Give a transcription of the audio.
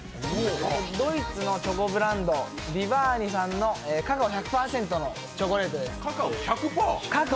ドイツのチョコブランド、ヴィヴァーニさんのカカオ１００％のチョコレートです。